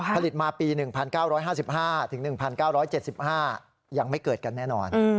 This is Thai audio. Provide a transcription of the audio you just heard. ผลิตมาปี๑๙๕๕๑๙๗๕ยังไม่เกิดกันแน่นอน